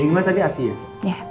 yang gimana tadi asi ya